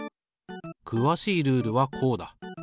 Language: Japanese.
くわしいルールはこうだ。